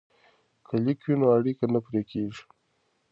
که لیک وي نو اړیکه نه پرې کیږي.